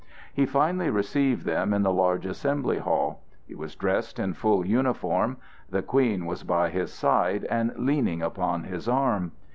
He finally received them in the large assembly hall. He was dressed in full uniform; the Queen was by his side and leaning upon his arm.